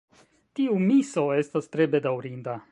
Tiu miso estas tre bedaŭrinda.